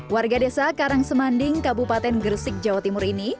warga desa karangsemanding kabupaten gresik jawa timur ini